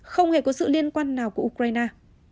không hề có sự liên quan nào của ukraine